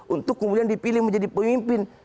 untuk kemudian dipilih menjadi pemimpin